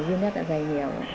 viêm tạ dày nhiều